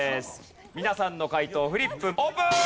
皆さんの解答フリップオープン！